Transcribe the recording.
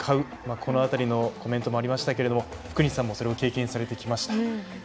このあたりのコメントもありましたけれど福西さんもそれを経験されてきました。